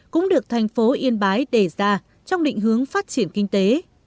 cũng được thành phố yên bái đề ra trong định hướng phát triển kinh tế